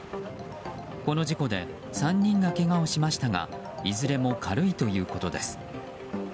この事故で３人がけがをしましたがいずれも軽いということです。